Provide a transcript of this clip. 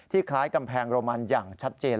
คล้ายกำแพงโรมันอย่างชัดเจน